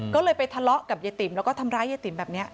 ก็เลยไปทะเลาะกับยายติ๋มแล้วก็ทำร้ายยายติ๋มแบบนี้